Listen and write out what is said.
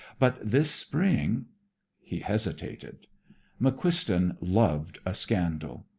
But this spring, " he hesitated. McQuiston loved a scandal.